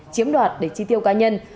chiếm đoạt để tri tiêu cá nhân